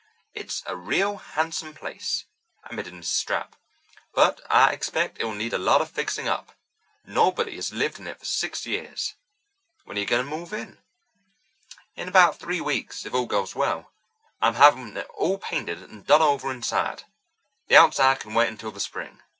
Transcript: "It's a real handsome place," admitted Mrs. Stapp, "but I expect it will need a lot of fixing up. Nobody has lived in it for six years. When are you going to move in?" "In about three weeks, if all goes well. I'm having it all painted and done over inside. The outside can wait until the spring."